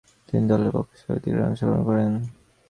তিনি দলের পক্ষে সর্বাধিক রান সংগ্রহ করেন।